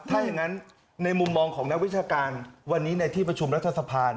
ถ้าอย่างนั้นในมุมมองของนักวิชาการวันนี้ในที่ประชุมรัฐสภา